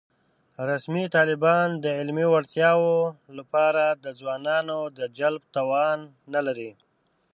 رسمي طالبان د علمي وړتیا له پاره د ځوانانو د جلب توان نه لري